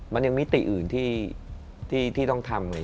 มันยังมิติอื่นที่ที่ที่ต้องทำ